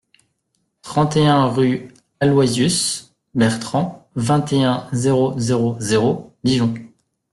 trente et un rue Aloysius Bertrand, vingt et un, zéro zéro zéro, Dijon